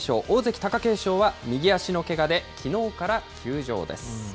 大関・貴景勝は右足のけがで、きのうから休場です。